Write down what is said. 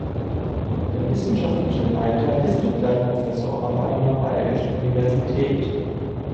Der wissenschaftliche Leiter ist zugleich Professor an einer bayerischen Universität.